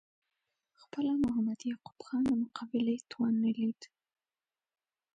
خپله محمد یعقوب خان د مقابلې توان نه لید.